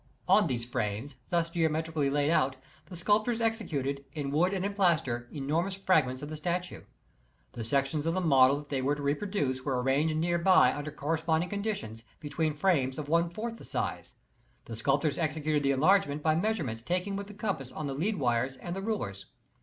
On these frames, thus geometrically laid out, the sculptors executed, in wood and in plaster, enormous fragments of the statue. Tlie sections of the model that they were to reproduce were arranged near by under corresponding conditions, between frames of one fourth the size. The sculptors executed the enlargement by measurements taken with the compass on the lead wires and the rulers.